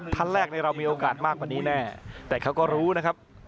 ท่านแรกเรามีโอกาสมากกว่านี้แน่แต่เขาก็รู้นะครับ